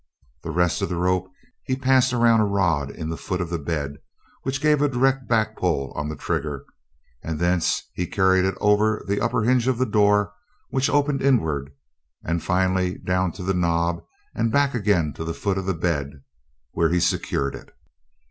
The rest of the rope he passed around a rod in the foot of the bed, which gave a direct back pull on the trigger, and thence he carried it over the upper hinge of the door, which opened inward, and finally down to the knob and back again to the foot of the bed, where he secured it.